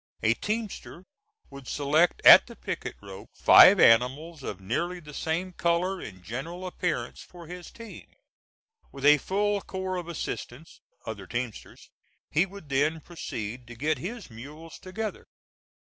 A teamster would select at the picket rope five animals of nearly the same color and general appearance for his team. With a full corps of assistants, other teamsters, he would then proceed to get his mules together.